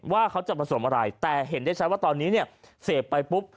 ว่าเขาจะผสมอะไรแต่เห็นได้ชัดว่าตอนนี้เนี่ยเสพไปปุ๊บ